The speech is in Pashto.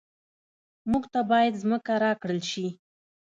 موږ ته باید ځمکه راکړل شي